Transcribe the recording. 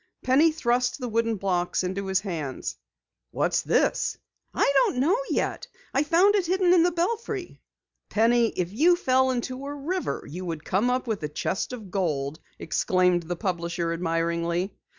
Penny thrust the wooden box into his hands. "What's this?" "I don't know yet. I found it hidden in the belfry." "Penny, if you fell into a river you would come up with a chest of gold!" exclaimed the publisher admiringly.